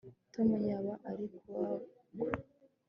Tom yaba ari kubagwa